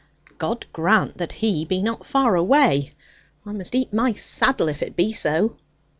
God grant that he be not far away; I must eat my saddle, if it be so.'